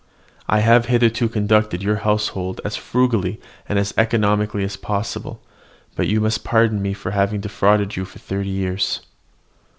I have hitherto conducted your household as frugally and economically as possible, but you must pardon me for having defrauded you for thirty years.